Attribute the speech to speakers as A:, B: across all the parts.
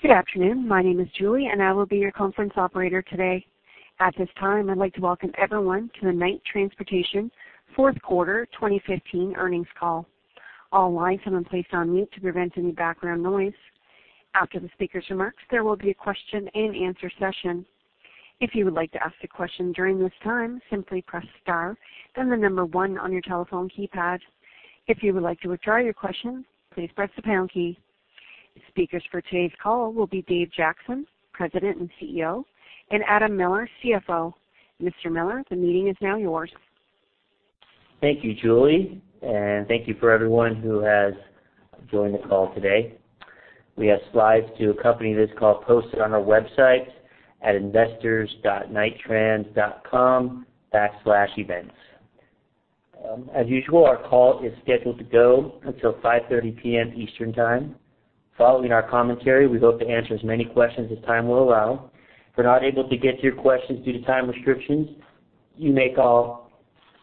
A: Good afternoon. My name is Julie, and I will be your conference operator today. At this time, I'd like to welcome everyone to the Knight Transportation fourth quarter 2015 earnings call. All lines have been placed on mute to prevent any background noise. After the speaker's remarks, there will be a question-and-answer session. If you would like to ask a question during this time, simply press star, then the number one on your telephone keypad. If you would like to withdraw your question, please press the pound key. Speakers for today's call will be Dave Jackson, President and CEO, and Adam Miller, CFO. Mr. Miller, the meeting is now yours.
B: Thank you, Julie, and thank you for everyone who has joined the call today. We have slides to accompany this call posted on our website at investors.knighttrans.com/events. As usual, our call is scheduled to go until 5:30 P.M. Eastern Time. Following our commentary, we hope to answer as many questions as time will allow. If we're not able to get to your questions due to time restrictions, you may call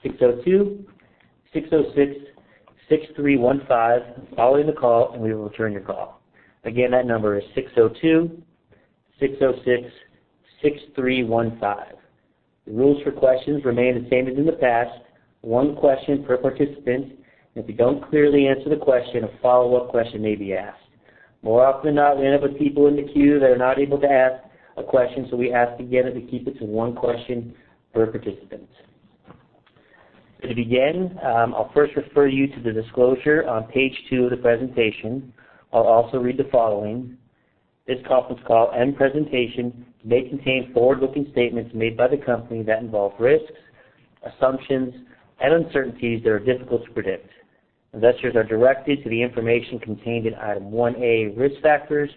B: 602-606-6315 following the call, and we will return your call. Again, that number is 602-606-6315. The rules for questions remain the same as in the past, one question per participant, and if we don't clearly answer the question, a follow-up question may be asked. More often than not, we end up with people in the queue that are not able to ask a question, so we ask again to keep it to one question per participant. To begin, I'll first refer you to the disclosure on page two of the presentation. I'll also read the following. This conference call and presentation may contain forward-looking statements made by the company that involve risks, assumptions, and uncertainties that are difficult to predict. Investors are directed to the information contained in Item 1A, Risk Factors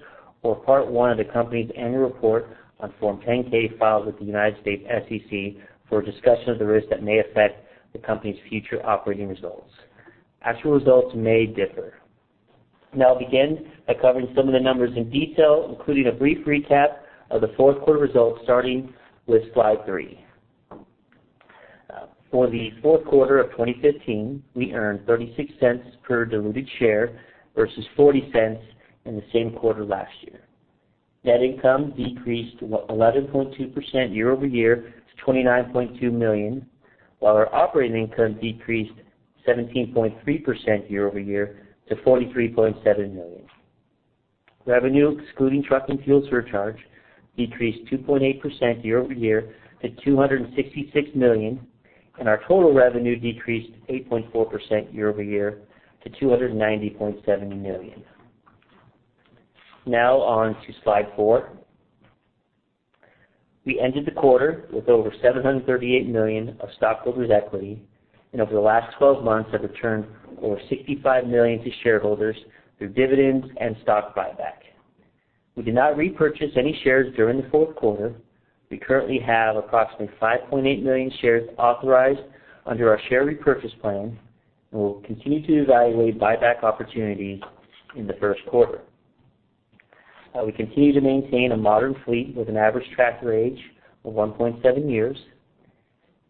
B: or Part One of the company's annual report on Form 10-K, filed with the United States SEC for a discussion of the risks that may affect the company's future operating results. Actual results may differ. Now I'll begin by covering some of the numbers in detail, including a brief recap of the fourth quarter results, starting with Slide 3. For the fourth quarter of 2015, we earned $0.36 per diluted share versus $0.40 in the same quarter last year. Net income decreased 11.2% year-over-year to $29.2 million, while our operating income decreased 17.3% year-over-year to $43.7 million. Revenue, excluding truck and fuel surcharge, decreased 2.8% year-over-year to $266 million, and our total revenue decreased 8.4% year-over-year to $290.7 million. Now on to Slide 4. We ended the quarter with over $738 million of stockholders' equity, and over the last 12 months, have returned over $65 million to shareholders through dividends and stock buyback. We did not repurchase any shares during the fourth quarter. We currently have approximately 5.8 million shares authorized under our share repurchase plan, and we'll continue to evaluate buyback opportunities in the first quarter. We continue to maintain a modern fleet with an average tractor age of 1.7 years.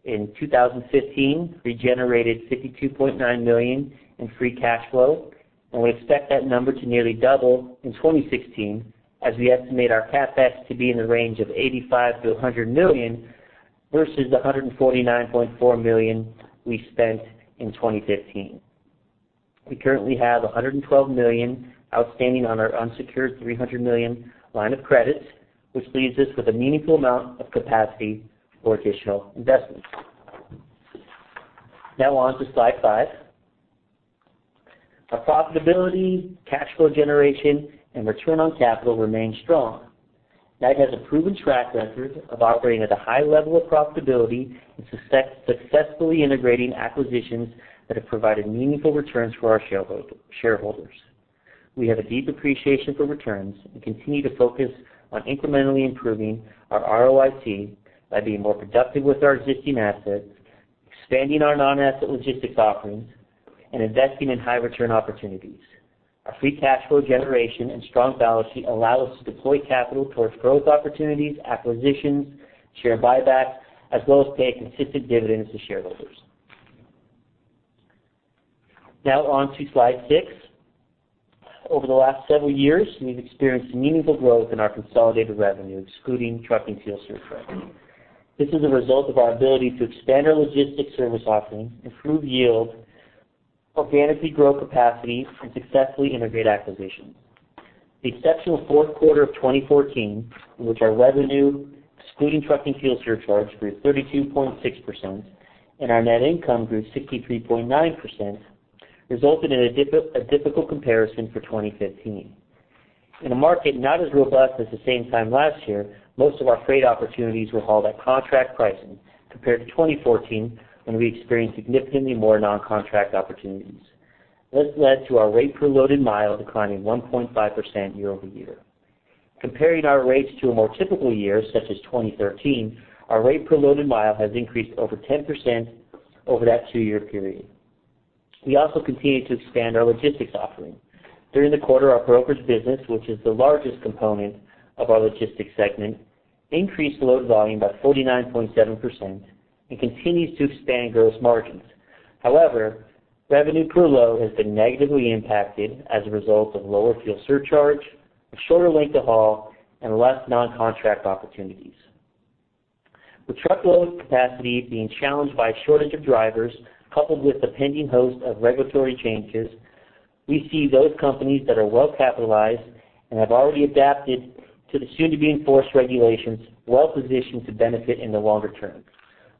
B: In 2015, we generated $52.9 million in free cash flow, and we expect that number to nearly double in 2016, as we estimate our CapEx to be in the range of $85 million-$100 million versus the $149.4 million we spent in 2015. We currently have $112 million outstanding on our unsecured $300 million line of credit, which leaves us with a meaningful amount of capacity for additional investments. Now on to Slide 5. Our profitability, cash flow generation, and return on capital remain strong. Knight has a proven track record of operating at a high level of profitability and success, successfully integrating acquisitions that have provided meaningful returns for our shareholder, shareholders. We have a deep appreciation for returns and continue to focus on incrementally improving our ROIC by being more productive with our existing assets, expanding our non-asset logistics offerings, and investing in high-return opportunities. Our free cash flow generation and strong balance sheet allow us to deploy capital towards growth opportunities, acquisitions, share buybacks, as well as pay consistent dividends to shareholders. Now on to Slide 6. Over the last several years, we've experienced meaningful growth in our consolidated revenue, excluding truck and fuel surcharge. This is a result of our ability to expand our logistics service offerings, improve yield, organically grow capacity, and successfully integrate acquisitions. The exceptional fourth quarter of 2014, in which our revenue, excluding truck and fuel surcharge, grew 32.6% and our net income grew 63.9%, resulted in a difficult comparison for 2015. In a market not as robust as the same time last year, most of our freight opportunities were hauled at contract pricing compared to 2014, when we experienced significantly more non-contract opportunities. This led to our rate per loaded mile declining 1.5% year-over-year. Comparing our rates to a more typical year, such as 2013, our rate per loaded mile has increased over 10% over that two-year period. We also continued to expand our logistics offering. During the quarter, our brokerage business, which is the largest component of our logistics segment, increased load volume by 49.7% and continues to expand gross margins. However, revenue per load has been negatively impacted as a result of lower fuel surcharge, a shorter length of haul, and less non-contract opportunities. With truckload capacity being challenged by a shortage of drivers, coupled with the pending host of regulatory changes, we see those companies that are well-capitalized and have already adapted to the soon-to-be enforced regulations, well-positioned to benefit in the longer term.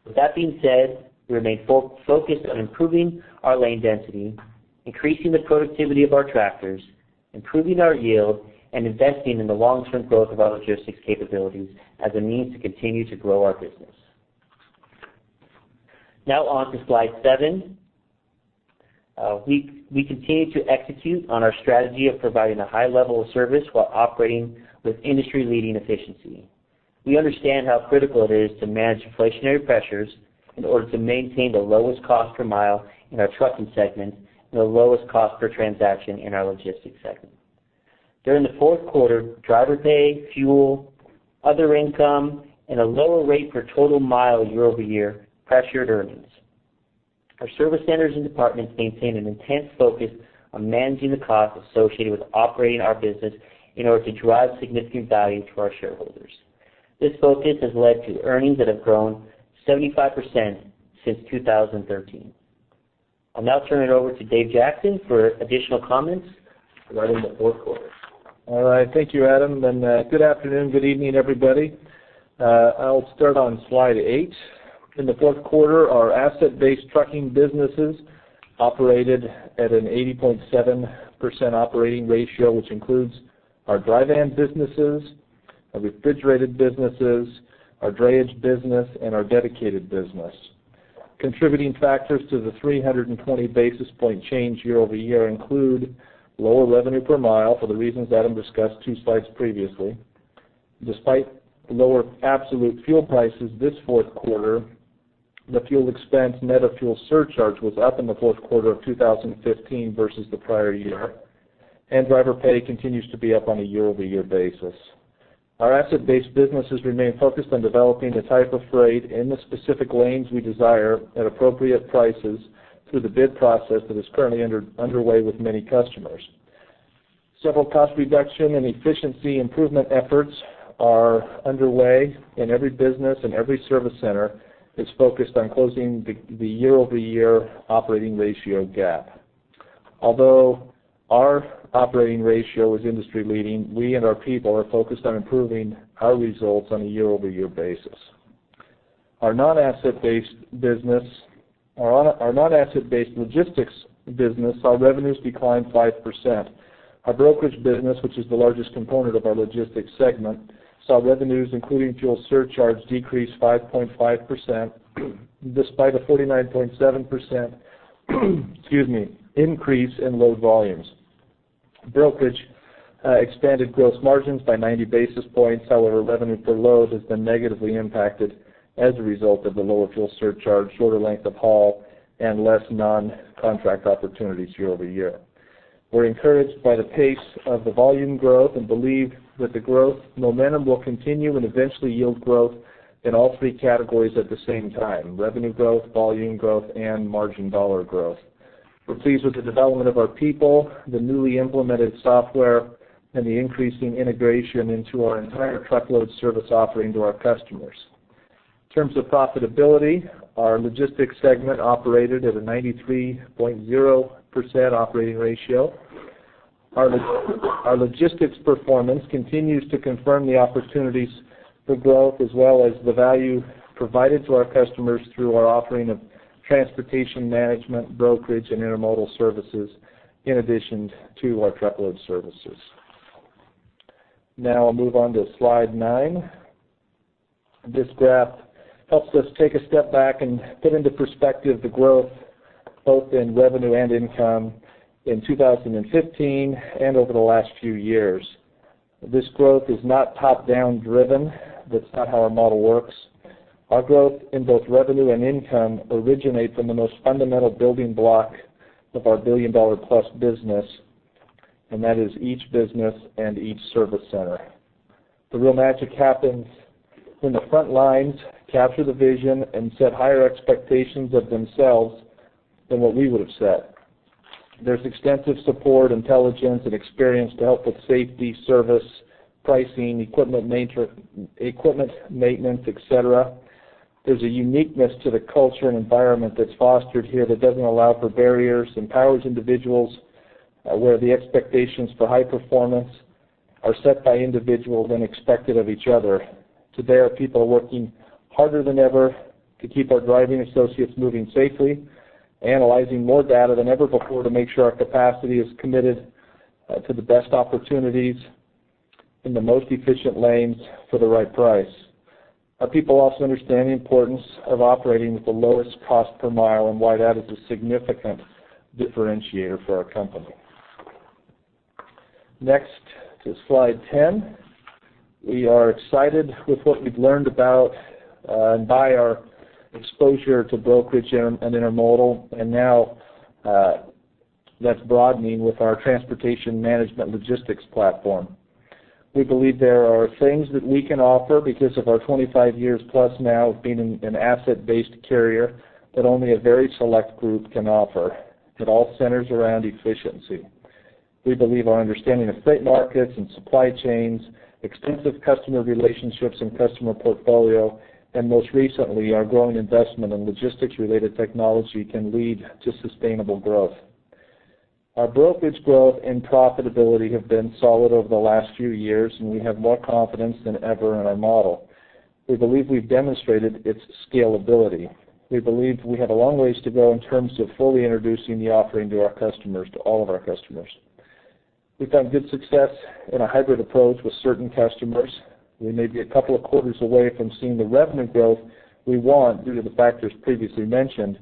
B: With that being said, we remain focused on improving our lane density, increasing the productivity of our tractors, improving our yield, and investing in the long-term growth of our logistics capabilities as a means to continue to grow our business. Now on to Slide 7. We continue to execute on our strategy of providing a high level of service while operating with industry-leading efficiency. We understand how critical it is to manage inflationary pressures in order to maintain the lowest cost per mile in our trucking segment and the lowest cost per transaction in our logistics segment. During the fourth quarter, driver pay, fuel, other income, and a lower rate per total mile year-over-year pressured earnings. Our service centers and departments maintain an intense focus on managing the costs associated with operating our business in order to drive significant value to our shareholders. This focus has led to earnings that have grown 75% since 2013. I'll now turn it over to Dave Jackson for additional comments regarding the fourth quarter.
C: All right. Thank you, Adam, and good afternoon, good evening, everybody. I'll start on Slide 8. In the fourth quarter, our asset-based trucking businesses operated at an 80.7% operating ratio, which includes our dry van businesses, our refrigerated businesses, our drayage business, and our dedicated business. Contributing factors to the 320 basis point change year-over-year include lower revenue per mile for the reasons Adam discussed two slides previously. Despite lower absolute fuel prices this fourth quarter, the fuel expense net of fuel surcharge was up in the fourth quarter of 2015 versus the prior year, and driver pay continues to be up on a year-over-year basis. Our asset-based businesses remain focused on developing the type of freight in the specific lanes we desire at appropriate prices through the bid process that is currently underway with many customers. Several cost reduction and efficiency improvement efforts are underway in every business, and every service center is focused on closing the year-over-year operating ratio gap. Although our operating ratio is industry leading, we and our people are focused on improving our results on a year-over-year basis. Our non-asset-based business, our non-asset-based logistics business, saw revenues decline 5%. Our brokerage business, which is the largest component of our logistics segment, saw revenues, including fuel surcharge, decrease 5.5%, despite a 49.7%, excuse me, increase in load volumes. Brokerage expanded gross margins by 90 basis points. However, revenue per load has been negatively impacted as a result of the lower fuel surcharge, shorter length of haul, and less non-contract opportunities year-over-year. We're encouraged by the pace of the volume growth and believe that the growth momentum will continue and eventually yield growth in all three categories at the same time, revenue growth, volume growth, and margin dollar growth. We're pleased with the development of our people, the newly implemented software, and the increasing integration into our entire truckload service offering to our customers. In terms of profitability, our logistics segment operated at a 93.0% operating ratio. Our logistics performance continues to confirm the opportunities for growth, as well as the value provided to our customers through our offering of transportation management, brokerage, and intermodal services, in addition to our truckload services. Now I'll move on to Slide 9. This graph helps us take a step back and put into perspective the growth both in revenue and income in 2015 and over the last few years. This growth is not top-down driven. That's not how our model works. Our growth in both revenue and income originate from the most fundamental building block of our billion-dollar-plus business, and that is each business and each service center. The real magic happens when the front lines capture the vision and set higher expectations of themselves than what we would have set. There's extensive support, intelligence, and experience to help with safety, service, pricing, equipment maintenance, et cetera. There's a uniqueness to the culture and environment that's fostered here that doesn't allow for barriers, empowers individuals, where the expectations for high performance are set by individuals and expected of each other. Today, our people are working harder than ever to keep our driving associates moving safely, analyzing more data than ever before to make sure our capacity is committed to the best opportunities in the most efficient lanes for the right price. Our people also understand the importance of operating with the lowest cost per mile and why that is a significant differentiator for our company. Next, to Slide 10. We are excited with what we've learned about and by our exposure to brokerage and intermodal, and now that's broadening with our transportation management logistics platform. We believe there are things that we can offer because of our 25+ years now of being an asset-based carrier, that only a very select group can offer, that all centers around efficiency. We believe our understanding of freight markets and supply chains, extensive customer relationships and customer portfolio, and most recently, our growing investment in logistics-related technology, can lead to sustainable growth. Our brokerage growth and profitability have been solid over the last few years, and we have more confidence than ever in our model. We believe we've demonstrated its scalability. We believe we have a long ways to go in terms of fully introducing the offering to our customers, to all of our customers. We've had good success in a hybrid approach with certain customers. We may be a couple of quarters away from seeing the revenue growth we want due to the factors previously mentioned,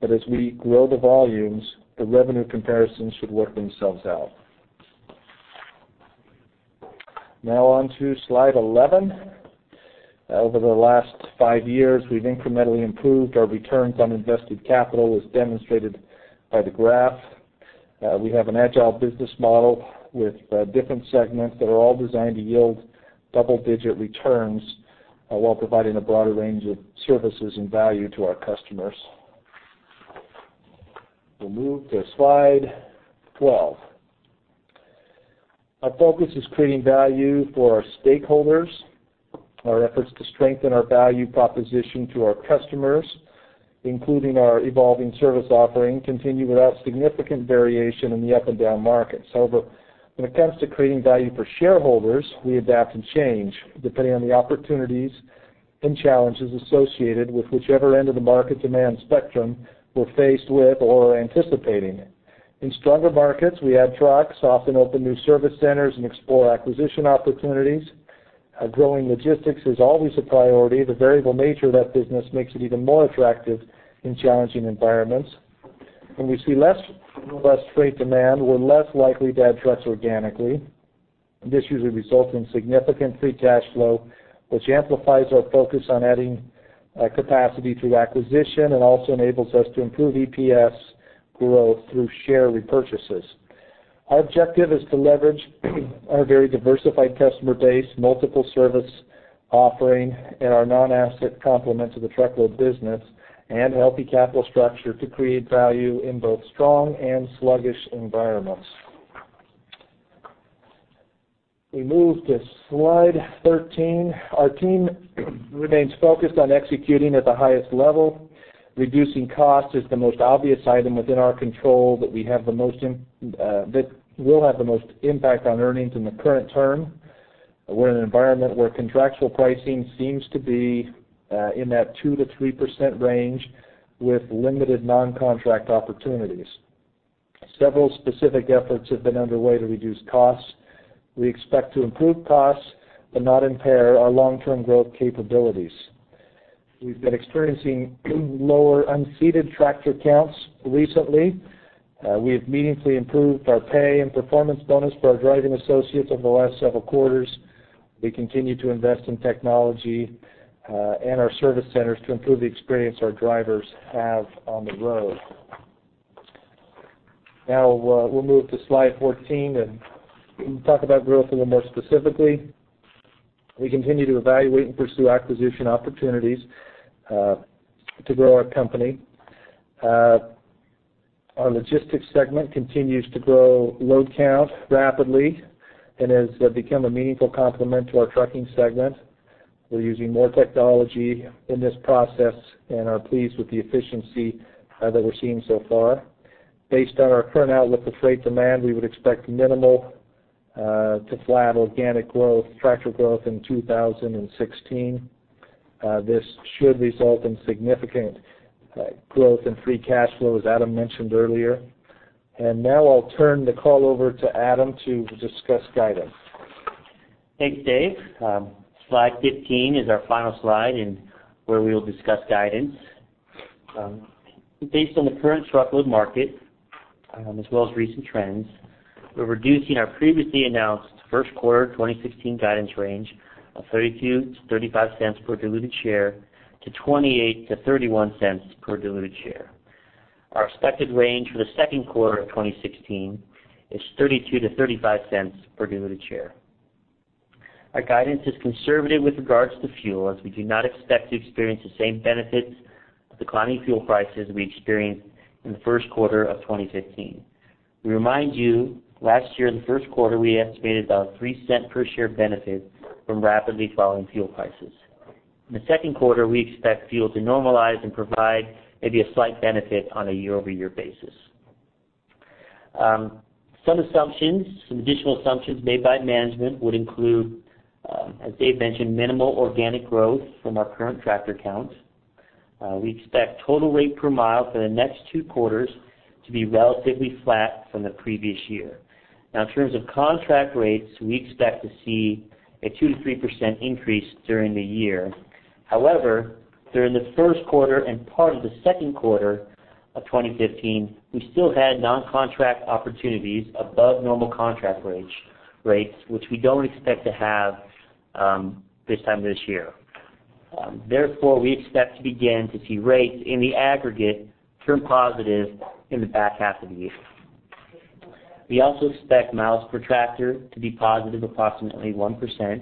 C: but as we grow the volumes, the revenue comparisons should work themselves out. Now on to Slide 11. Over the last five years, we've incrementally improved our returns on invested capital, as demonstrated by the graph. We have an agile business model with, different segments that are all designed to yield double-digit returns, while providing a broader range of services and value to our customers. We'll move to Slide 12. Our focus is creating value for our stakeholders. Our efforts to strengthen our value proposition to our customers, including our evolving service offering, continue without significant variation in the up and down markets. However, when it comes to creating value for shareholders, we adapt and change, depending on the opportunities and challenges associated with whichever end of the market demand spectrum we're faced with or are anticipating. In stronger markets, we add trucks, often open new service centers, and explore acquisition opportunities. Growing logistics is always a priority. The variable nature of that business makes it even more attractive in challenging environments. When we see less and less freight demand, we're less likely to add trucks organically. This usually results in significant free cash flow, which amplifies our focus on adding capacity through acquisition and also enables us to improve EPS growth through share repurchases. Our objective is to leverage our very diversified customer base, multiple service offering, and our non-asset complement to the truckload business and healthy capital structure to create value in both strong and sluggish environments. We move to Slide 13. Our team remains focused on executing at the highest level. Reducing cost is the most obvious item within our control that we have the most, that will have the most impact on earnings in the current term. We're in an environment where contractual pricing seems to be in that 2%-3% range with limited non-contract opportunities. Several specific efforts have been underway to reduce costs. We expect to improve costs but not impair our long-term growth capabilities. We've been experiencing lower unseated tractor counts recently. We have meaningfully improved our pay and performance bonus for our driving associates over the last several quarters. We continue to invest in technology and our service centers to improve the experience our drivers have on the road. Now, we'll move to Slide 14 and talk about growth a little more specifically. We continue to evaluate and pursue acquisition opportunities to grow our company. Our logistics segment continues to grow load count rapidly and has become a meaningful complement to our trucking segment. We're using more technology in this process and are pleased with the efficiency that we're seeing so far. Based on our current outlook for freight demand, we would expect minimal to flat organic growth, tractor growth in 2016. This should result in significant growth in free cash flow, as Adam mentioned earlier. And now I'll turn the call over to Adam to discuss guidance.
B: Thanks, Dave. Slide 15 is our final slide, and where we will discuss guidance. Based on the current truckload market, as well as recent trends, we're reducing our previously announced first quarter 2016 guidance range of $0.32-$0.35 per diluted share to $0.28-$0.31 per diluted share. Our expected range for the second quarter of 2016 is $0.32-$0.35 per diluted share. Our guidance is conservative with regards to fuel, as we do not expect to experience the same benefits of declining fuel prices we experienced in the first quarter of 2015. We remind you, last year, in the first quarter, we estimated about a $0.03 per share benefit from rapidly falling fuel prices. In the second quarter, we expect fuel to normalize and provide maybe a slight benefit on a year-over-year basis. Some assumptions, some additional assumptions made by management would include, as Dave mentioned, minimal organic growth from our current tractor count. We expect total rate per mile for the next two quarters to be relatively flat from the previous year. Now, in terms of contract rates, we expect to see a 2%-3% increase during the year. However, during the first quarter and part of the second quarter of 2015, we still had non-contract opportunities above normal contract rates, which we don't expect to have this time this year. Therefore, we expect to begin to see rates in the aggregate turn positive in the back half of the year. We also expect miles per tractor to be positive, approximately 1%,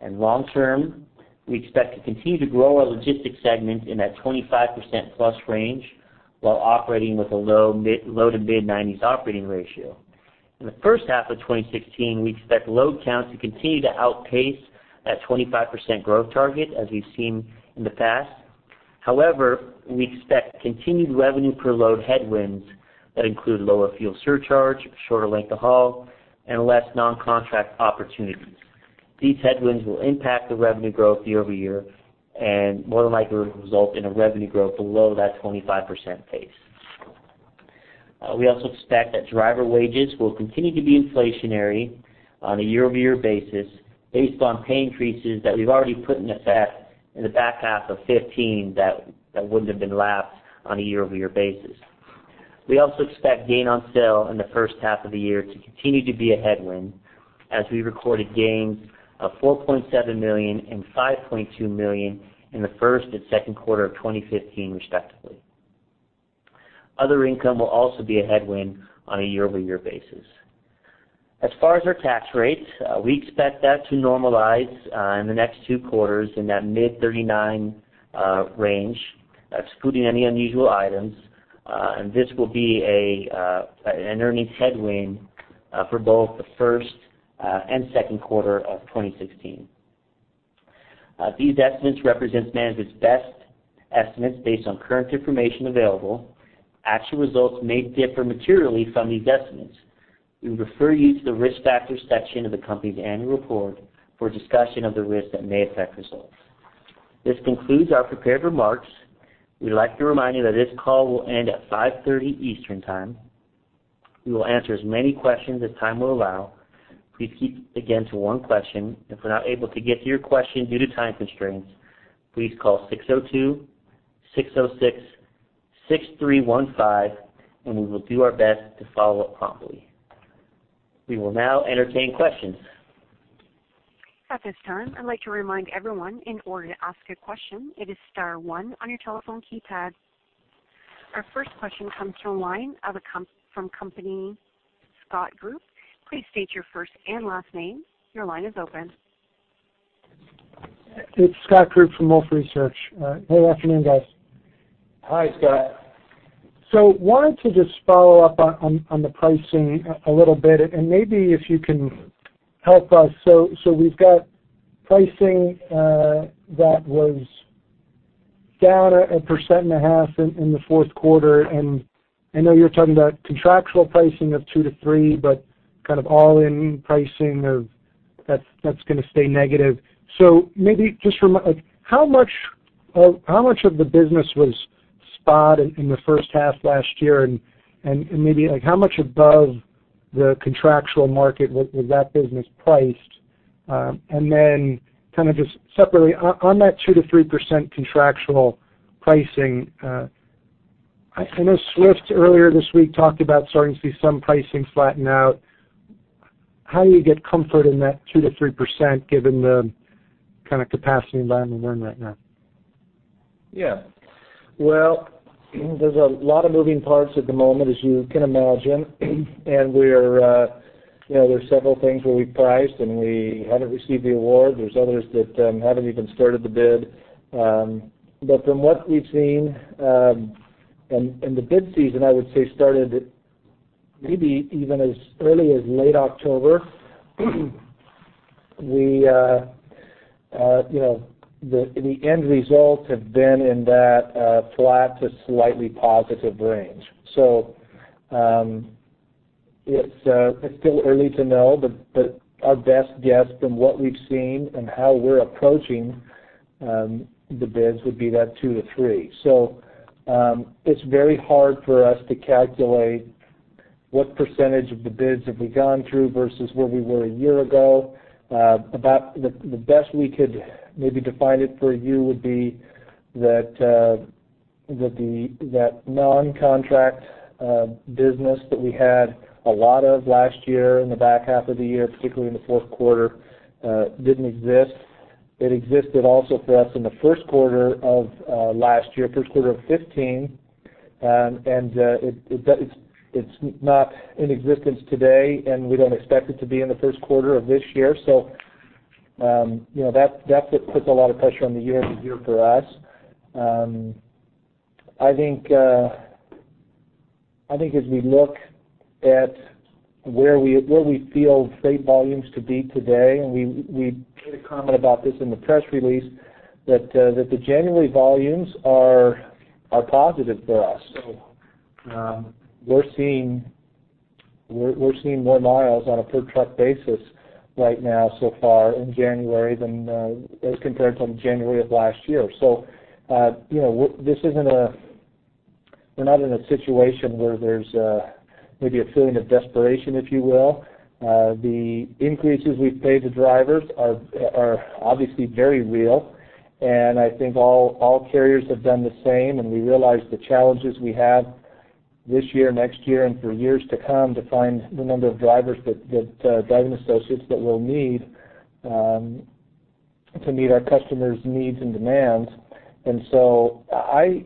B: and long term, we expect to continue to grow our logistics segment in that 25%+ range, while operating with a low- to mid-90s operating ratio. In the first half of 2016, we expect load counts to continue to outpace that 25% growth target, as we've seen in the past. However, we expect continued revenue per load headwinds that include lower fuel surcharge, shorter length of haul, and less non-contract opportunities. These headwinds will impact the revenue growth year-over-year, and more than likely result in a revenue growth below that 25% pace. We also expect that driver wages will continue to be inflationary on a year-over-year basis, based on pay increases that we've already put in effect in the back half of 2015 that wouldn't have been lapped on a year-over-year basis. We also expect gain on sale in the first half of the year to continue to be a headwind, as we recorded gains of $4.7 million and $5.2 million in the first and second quarter of 2015, respectively. Other income will also be a headwind on a year-over-year basis. As far as our tax rates, we expect that to normalize in the next two quarters in that mid-39% range, excluding any unusual items, and this will be an earnings headwind for both the first and second quarter of 2016. These estimates represent management's best estimates based on current information available. Actual results may differ materially from these estimates. We refer you to the Risk Factors section of the company's annual report for a discussion of the risks that may affect results. This concludes our prepared remarks. We'd like to remind you that this call will end at 5:30 P.M. Eastern Time. We will answer as many questions as time will allow. Please keep, again, to one question. If we're not able to get to your question due to time constraints, please call 602-606-6315, and we will do our best to follow up promptly. We will now entertain questions.
A: At this time, I'd like to remind everyone, in order to ask a question, it is star one on your telephone keypad. Our first question comes from the line of Scott Group. Please state your first and last name. Your line is open.
D: It's Scott Group from Wolfe Research. Good afternoon, guys.
B: Hi, Scott.
D: So wanted to just follow up on the pricing a little bit, and maybe if you can help us. So we've got pricing that was down 1.5% in the fourth quarter, and I know you're talking about contractual pricing of 2%-3%, but kind of all-in pricing of that's gonna stay negative. So maybe just like, how much of the business was spot in the first half last year? And maybe, like, how much above the contractual market was that business priced? And then kind of just separately, on that 2%-3% contractual pricing, I know Swift, earlier this week, talked about starting to see some pricing flatten out. How do you get comfort in that 2%-3%, given the kind of capacity environment we're in right now?
B: Yeah. Well, there's a lot of moving parts at the moment, as you can imagine, and we're, you know, there's several things where we priced, and we haven't received the award. There's others that haven't even started the bid. But from what we've seen, and the bid season, I would say, started maybe even as early as late October. We, you know, the end results have been in that flat to slightly positive range. So, it's still early to know, but our best guess from what we've seen and how we're approaching the bids would be that 2%-3%. So, it's very hard for us to calculate what percentage of the bids have we gone through versus where we were a year ago. About the best we could maybe define it for you would be that the non-contract business that we had a lot of last year, in the back half of the year, particularly in the fourth quarter, didn't exist. It existed also for us in the first quarter of last year, first quarter of 2015, and it's not in existence today, and we don't expect it to be in the first quarter of this year. So, you know, that puts a lot of pressure on the year-over-year for us. I think as we look at where we feel freight volumes to be today, and we made a comment about this in the press release, that the January volumes are positive for us. So, we're seeing more miles on a per truck basis right now so far in January than as compared from January of last year. So, you know, this isn't a situation where there's maybe a feeling of desperation, if you will. The increases we've paid the drivers are obviously very real, and I think all carriers have done the same, and we realize the challenges we have. This year, next year, and for years to come, to find the number of drivers, driving associates that we'll need to meet our customers' needs and demands. And so I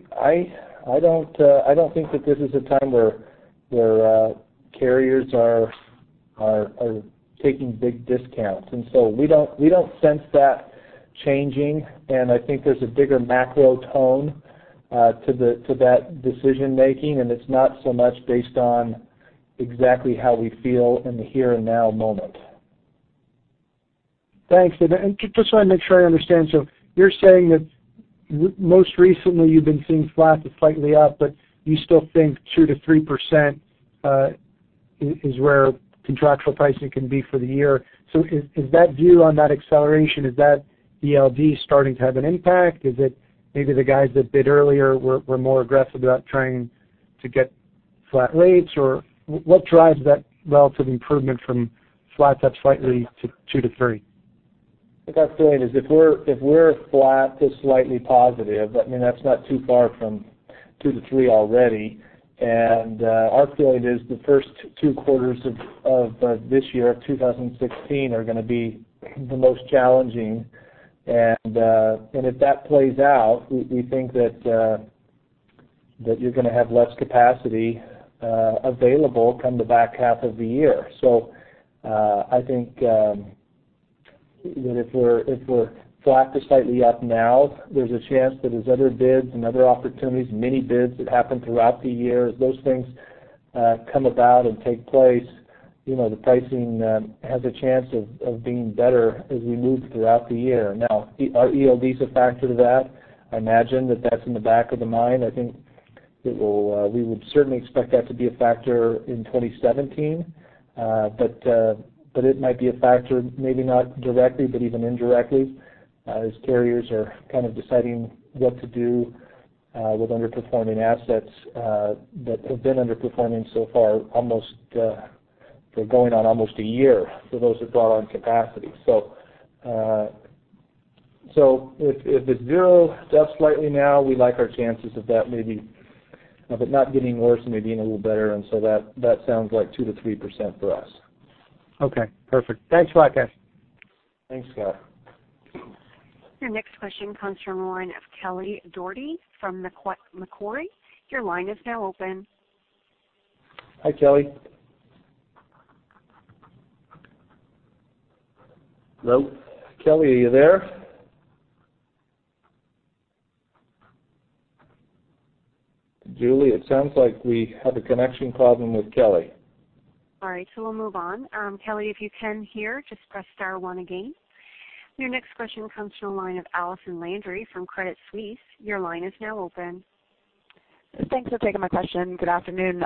B: don't think that this is a time where carriers are taking big discounts. And so we don't sense that changing, and I think there's a bigger macro tone to that decision making, and it's not so much based on exactly how we feel in the here and now moment.
D: Thanks. And just wanna make sure I understand. So you're saying that most recently, you've been seeing flat to slightly up, but you still think 2%-3% is where contractual pricing can be for the year. So is that view on that acceleration, is that ELD starting to have an impact? Is it maybe the guys that bid earlier were more aggressive about trying to get flat rates? Or what drives that relative improvement from flat to slightly to 2%-3%?
C: What I'm saying is, if we're flat to slightly positive, I mean, that's not too far from 2%-3% already. Our feeling is the first two quarters of this year of 2016 are gonna be the most challenging. And if that plays out, we think that you're gonna have less capacity available come the back half of the year. So I think that if we're flat to slightly up now, there's a chance that as other bids and other opportunities, many bids that happen throughout the year, as those things come about and take place, you know, the pricing has a chance of being better as we move throughout the year. Now, are ELDs a factor to that? I imagine that that's in the back of the mind.I think it will, we would certainly expect that to be a factor in 2017. But, but it might be a factor, maybe not directly, but even indirectly, as carriers are kind of deciding what to do, with underperforming assets, that have been underperforming so far, almost, they're going on almost a year for those who brought on capacity. So, so if, if it's zero up slightly now, we like our chances of that maybe, if not getting worse, maybe being a little better, and so that, that sounds like 2%-3% for us.
D: Okay, perfect. Thanks a lot, guys.
C: Thanks, Scott.
A: Your next question comes from the line of Kelly Dougherty from Macquarie. Your line is now open.
C: Hi, Kelly. Hello, Kelly, are you there? Julie, it sounds like we have a connection problem with Kelly.
A: All right, so we'll move on. Kelly, if you can hear, just press star one again. Your next question comes from the line of Allison Landry from Credit Suisse. Your line is now open.
E: Thanks for taking my question. Good afternoon.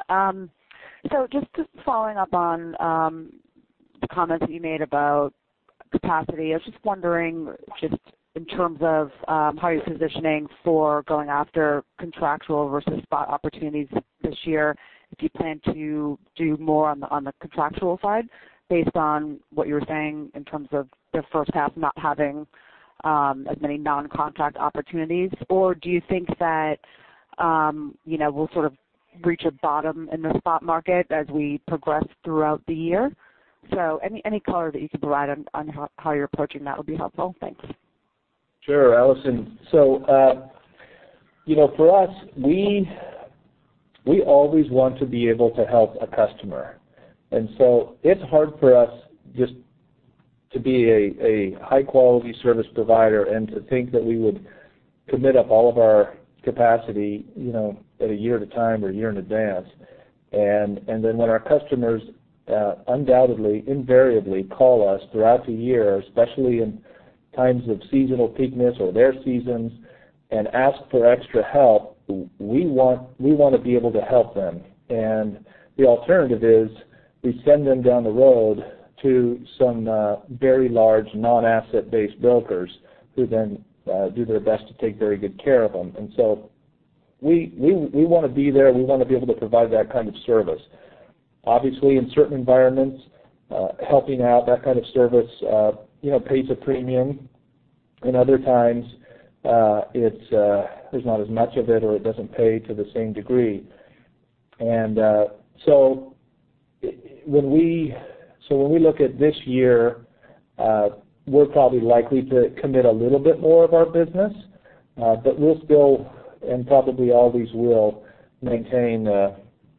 E: So just, just following up on, the comments that you made about capacity, I was just wondering, just in terms of, how you're positioning for going after contractual versus spot opportunities this year, if you plan to do more on the, on the contractual side, based on what you were saying in terms of the first half not having, as many non-contract opportunities? Or do you think that, you know, we'll sort of reach a bottom in the spot market as we progress throughout the year? So any, any color that you could provide on, on how, how you're approaching that would be helpful. Thanks.
C: Sure, Allison. So, you know, for us, we always want to be able to help a customer. And so it's hard for us just to be a high-quality service provider and to think that we would commit up all of our capacity, you know, at a year at a time or a year in advance. And then when our customers undoubtedly, invariably call us throughout the year, especially in times of seasonal peakness or their seasons, and ask for extra help, we want to be able to help them. And the alternative is, we send them down the road to some very large non-asset-based brokers, who then do their best to take very good care of them. And so we wanna be there. We wanna be able to provide that kind of service. Obviously, in certain environments, helping out, that kind of service, you know, pays a premium. And other times, there's not as much of it or it doesn't pay to the same degree. So when we look at this year, we're probably likely to commit a little bit more of our business, but we'll still, and probably always will, maintain,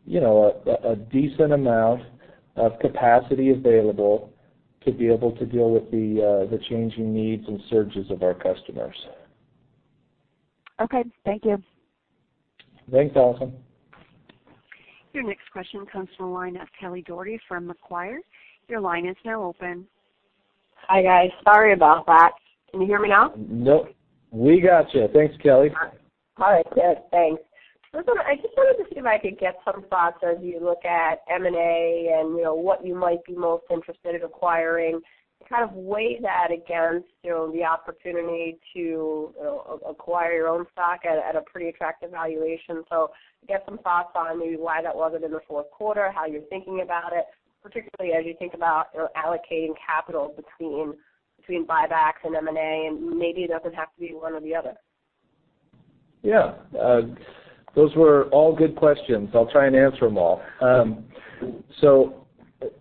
C: you know, a decent amount of capacity available to be able to deal with the changing needs and surges of our customers.
E: Okay, thank you.
C: Thanks, Allison.
A: Your next question comes from the line of Kelly Dougherty from Macquarie. Your line is now open.
F: Hi, guys. Sorry about that. Can you hear me now?
C: Yep, we got you. Thanks, Kelly.
F: All right, good, thanks. So I just wanted to see if I could get some thoughts as you look at M&A and, you know, what you might be most interested in acquiring, kind of weigh that against, you know, the opportunity to acquire your own stock at, at a pretty attractive valuation. So get some thoughts on maybe why that wasn't in the fourth quarter, how you're thinking about it, particularly as you think about, you know, allocating capital between buybacks and M&A, and maybe it doesn't have to be one or the other?
C: Yeah, those were all good questions. I'll try and answer them all. So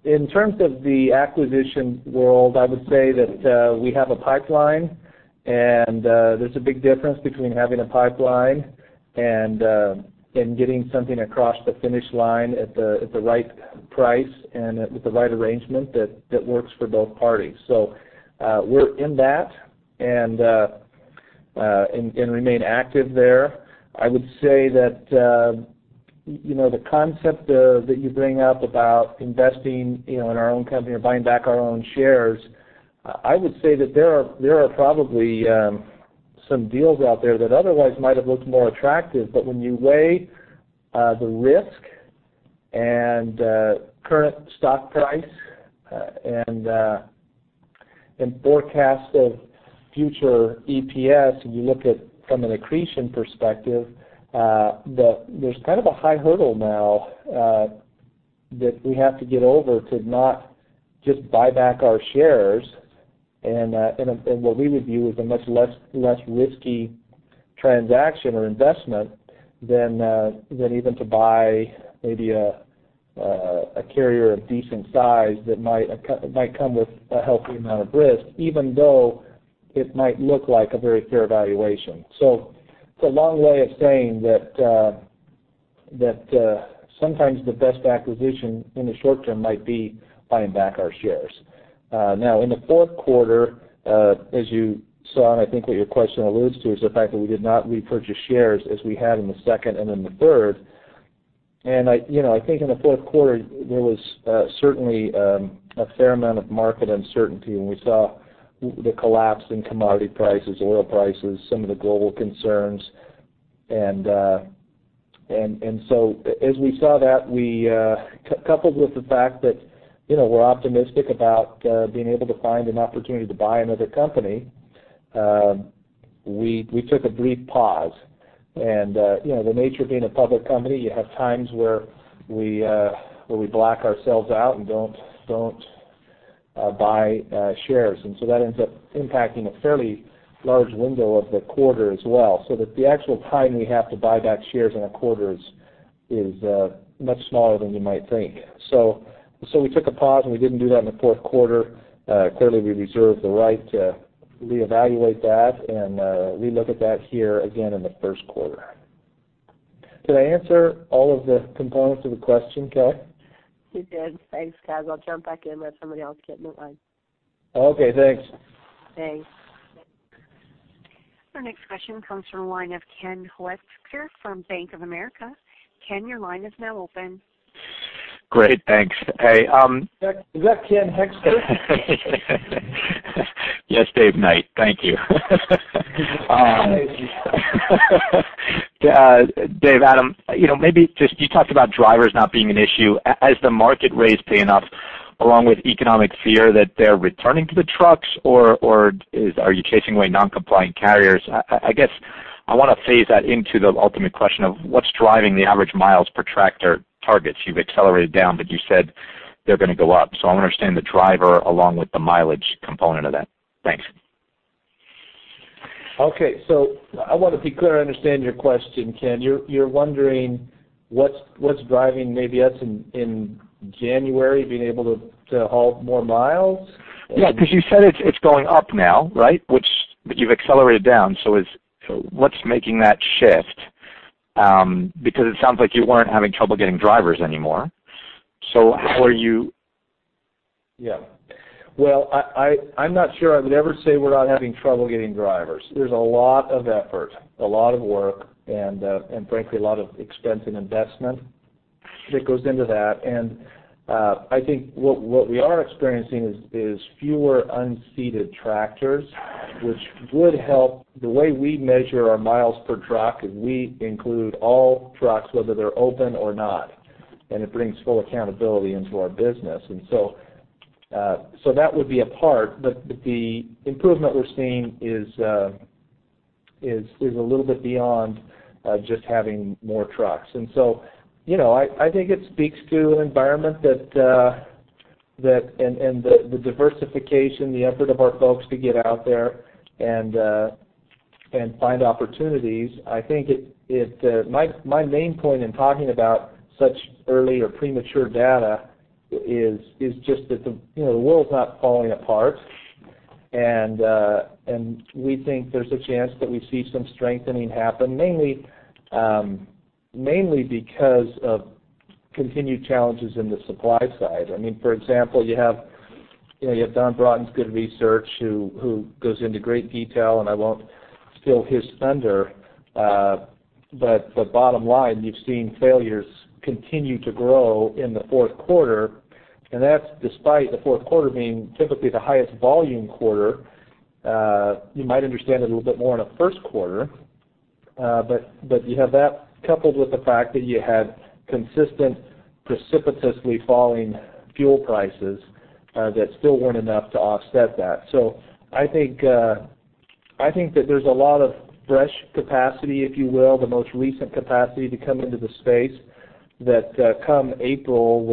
C: in terms of the acquisition world, I would say that we have a pipeline, and there's a big difference between having a pipeline and getting something across the finish line at the right price and with the right arrangement that works for both parties. So, we're in that and remain active there. I would say that, you know, the concept that you bring up about investing, you know, in our own company or buying back our own shares, I would say that there are, there are probably, some deals out there that otherwise might have looked more attractive, but when you weigh, the risk and, current stock price, and, and forecast of future EPS, and you look at from an accretion perspective, there's kind of a high hurdle now, that we have to get over to not just buy back our shares, and, and, and what we would view as a much less, less risky transaction or investment than, than even to buy maybe a, a carrier of decent size that might come with a healthy amount of risk, even though it might look like a very fair valuation. So it's a long way of saying that, sometimes the best acquisition in the short term might be buying back our shares. Now, in the fourth quarter, as you saw, and I think what your question alludes to, is the fact that we did not repurchase shares as we had in the second and in the third. And I, you know, I think in the fourth quarter, there was certainly a fair amount of market uncertainty, and we saw the collapse in commodity prices, oil prices, some of the global concerns. And so as we saw that, we coupled with the fact that, you know, we're optimistic about being able to find an opportunity to buy another company, we took a brief pause. You know, the nature of being a public company, you have times where we block ourselves out and don't buy shares, and so that ends up impacting a fairly large window of the quarter as well, so that the actual time we have to buy back shares in a quarter is much smaller than you might think. So we took a pause, and we didn't do that in the fourth quarter. Clearly, we reserve the right to reevaluate that and relook at that here again in the first quarter. Did I answer all of the components of the question, Kelly?
F: You did. Thanks, guys. I'll jump back in, let somebody else get in the line.
C: Okay, thanks.
F: Thanks.
A: Our next question comes from the line of Ken Hoexter from Bank of America. Ken, your line is now open.
G: Great, thanks. Hey,
C: Is that Ken Hoexter?
G: Yes, Dave Jackson. Thank you.
C: Hi.
G: Dave, Adam, you know, maybe just, you talked about drivers not being an issue. As the market rates pay enough, along with economic fear that they're returning to the trucks, or are you chasing away non-compliant carriers? I guess, I want to phase that into the ultimate question of, what's driving the average miles per tractor targets? You've accelerated down, but you said they're going to go up, so I want to understand the driver along with the mileage component of that. Thanks.
C: Okay, so I want to be clear I understand your question, Ken. You're wondering what's driving maybe us in January being able to haul more miles? Or...
G: Yeah, because you said it's, it's going up now, right? Which, but you've accelerated down, so is... what's making that shift? Because it sounds like you weren't having trouble getting drivers anymore. So how are you...
C: Yeah. Well, I’m not sure I would ever say we’re not having trouble getting drivers. There’s a lot of effort, a lot of work, and frankly, a lot of expense and investment that goes into that. I think what we are experiencing is fewer unseated tractors, which would help. The way we measure our miles per truck is we include all trucks, whether they’re open or not, and it brings full accountability into our business. So that would be a part, but the improvement we’re seeing is a little bit beyond just having more trucks. And so, you know, I think it speaks to an environment that and the diversification, the effort of our folks to get out there and find opportunities. I think my main point in talking about such early or premature data is just that, you know, the world's not falling apart. And we think there's a chance that we see some strengthening happen, mainly, mainly because of continued challenges in the supply side. I mean, for example, you have, you know, you have Don Broughton's good research, who goes into great detail, and I won't steal his thunder. But the bottom line, you've seen failures continue to grow in the fourth quarter, and that's despite the fourth quarter being typically the highest volume quarter. You might understand it a little bit more in the first quarter, but you have that coupled with the fact that you had consistent, precipitously falling fuel prices that still weren't enough to offset that. I think that there's a lot of fresh capacity, if you will, the most recent capacity to come into the space, that come April,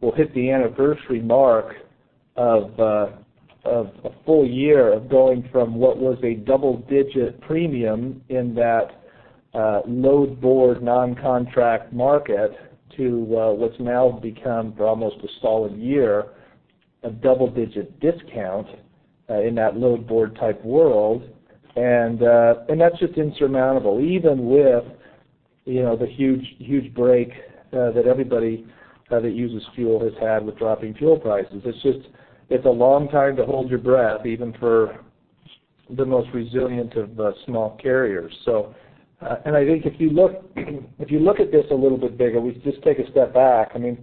C: will hit the anniversary mark of a full year of going from what was a double-digit premium in that load board non-contract market to what's now become for almost a solid year, a double-digit discount in that load board type world. And that's just insurmountable, even with, you know, the huge, huge break that everybody that uses fuel has had with dropping fuel prices. It's just, it's a long time to hold your breath, even for the most resilient of small carriers. So and I think if you look at this a little bit bigger, we just take a step back. I mean,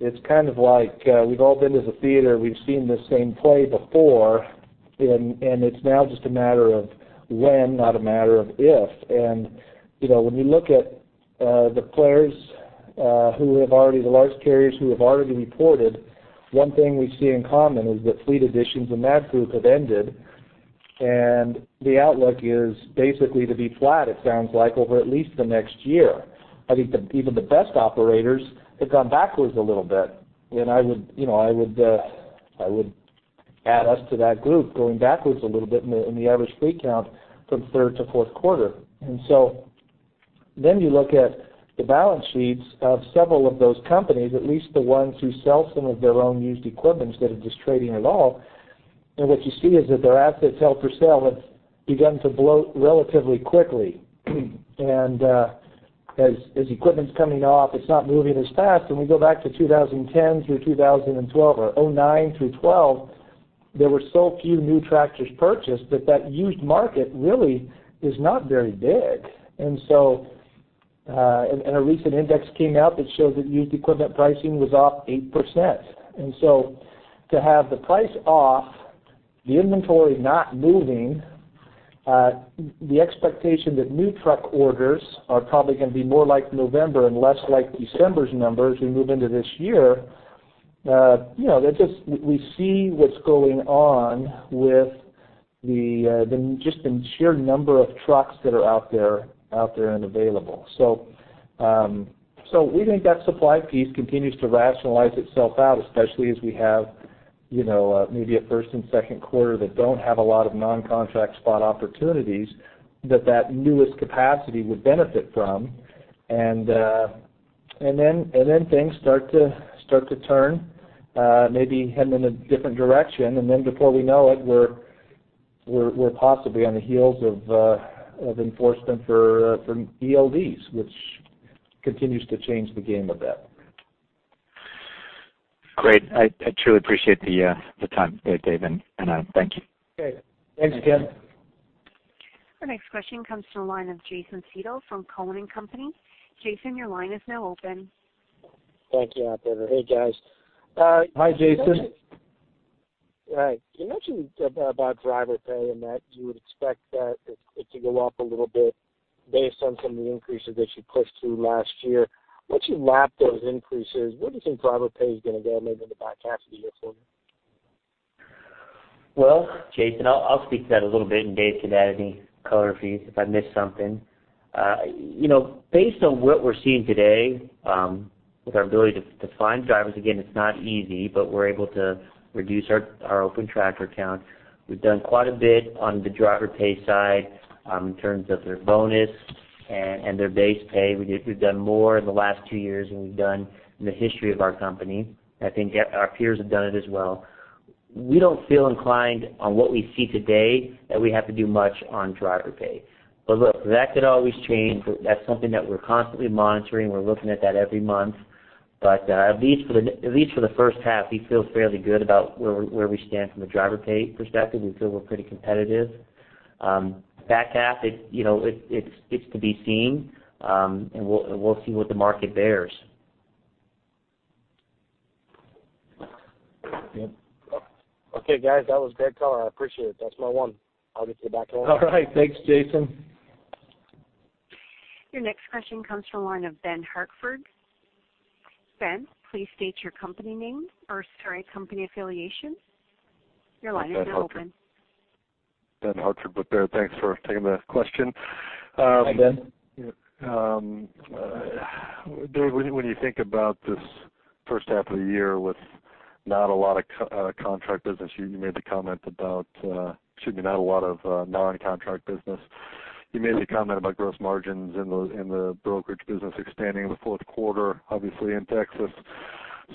C: it's kind of like, we've all been to the theater, we've seen this same play before, and it's now just a matter of when, not a matter of if. You know, when you look at the players who have already, the large carriers who have already reported, one thing we see in common is that fleet additions in that group have ended, and the outlook is basically to be flat, it sounds like, over at least the next year. I think even the best operators have gone backwards a little bit. I would, you know, I would, I would add us to that group, going backwards a little bit in the average fleet count from third to fourth quarter. And so then you look at the balance sheets of several of those companies, at least the ones who sell some of their own used equipment instead of just trading it all, and what you see is that their assets held for sale have begun to bloat relatively quickly. And as equipment's coming off, it's not moving as fast. When we go back to 2010 through 2012 or 2009 through 2012, there were so few new tractors purchased that that used market really is not very big. And so and a recent index came out that showed that used equipment pricing was off 8%. And so to have the price off, the inventory not moving, the expectation that new truck orders are probably going to be more like November and less like December's numbers as we move into this year, you know, that just we see what's going on with the just the sheer number of trucks that are out there, out there and available. So, so we think that supply piece continues to rationalize itself out, especially as we have, you know, maybe a first and second quarter that don't have a lot of non-contract spot opportunities that that newest capacity would benefit from. And, and then, and then things start to, start to turn, maybe head in a different direction. And then before we know it, we're possibly on the heels of enforcement for ELDs, which continues to change the game a bit.
G: Great. I, I truly appreciate the, the time today, Dave, and Adam, thank you.
C: Okay. Thanks, Ken.
A: Our next question comes from the line of Jason Seidel from Cowen and Company. Jason, your line is now open.
H: Thank you, operator. Hey, guys,
C: Hi, Jason.
H: Right. You mentioned about driver pay and that you would expect that it to go up a little bit based on some of the increases that you pushed through last year. Once you lap those increases, where do you think driver pay is going to go maybe in the back half of the year for you?
B: Well, Jason, I'll, I'll speak to that a little bit, and Dave can add any color for you if I miss something. You know, based on what we're seeing today, with our ability to find drivers, again, it's not easy, but we're able to reduce our open tractor count. We've done quite a bit on the driver pay side, in terms of their bonus and their base pay. We've done more in the last two years than we've done in the history of our company. I think our peers have done it as well. We don't feel inclined on what we see today that we have to do much on driver pay. But look, that could always change. That's something that we're constantly monitoring. We're looking at that every month. But, at least for the, at least for the first half, we feel fairly good about where we, where we stand from a driver pay perspective. We feel we're pretty competitive. Back half, it, you know, it, it's, it's to be seen, and we'll, and we'll see what the market bears.
H: Okay, guys, that was great color. I appreciate it. That's my one. I'll get you back on.
C: All right. Thanks, Jason.
A: Your next question comes from the line of Ben Hartford. Ben, please state your company name, or sorry, company affiliation. Your line is now open.
I: Ben Hartford, Piper. Thanks for taking the question.
C: Hi, Ben.
I: Dave, when you, when you think about this first half of the year with not a lot of contract business, you, you made the comment about, excuse me, not a lot of non-contract business. You made the comment about gross margins in the, in the brokerage business expanding in the fourth quarter, obviously in Texas.